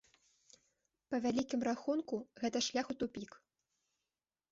Па вялікім рахунку, гэта шлях у тупік.